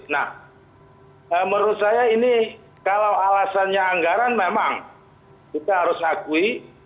nah menurut saya ini kalau alasannya anggaran memang kita harus akui